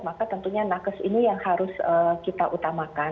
maka tentunya nakes ini yang harus kita utamakan